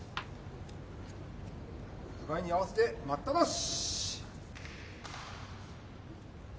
互いに合わせて待ったなし。